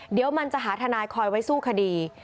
เดี๋ยวมันจะหาทนายคอยไว้สู้คดี